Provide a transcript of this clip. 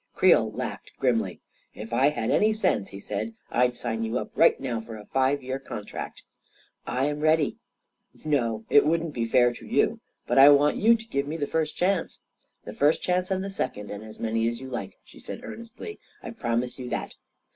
Creel laughed grimly. 44 If I had any sense," he said, " I'd sign you up right now for a five year contract." "I am ready!" " No — it wouldn't be fair to you. But I want you to give me the first chance." A KING IN BABYLON 189 "The first chance, and the second, and as many as you like," she said, earnestly. " I promise you that!"